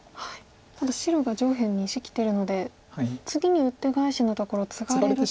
ただ白が上辺に石きてるので次にウッテガエシのところツガれると。